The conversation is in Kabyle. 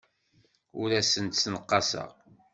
Ur asen-d-ssenqaseɣ.